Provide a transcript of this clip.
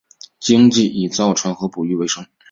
经济以造船和捕鱼为主。